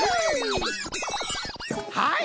はい！